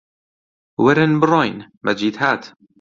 وەرن بڕۆین! مەجید هات